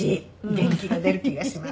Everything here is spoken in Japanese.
元気が出る気がします」